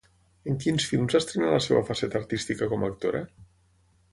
En quins films estrenà la seva faceta artística com a actora?